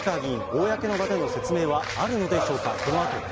公の場での説明はあるのでしょうか。